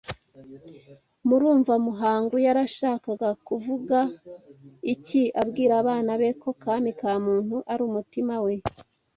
Murumva Muhangu yarashakaga kuvuga iki abwira abana be ko kami ka muntu ari umutima we